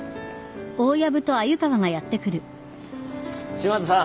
嶋津さん。